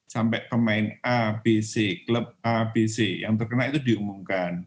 sampai pemain a b c klub a b c yang terkena itu diumumkan